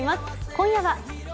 今夜は。